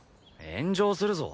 炎上するぞ？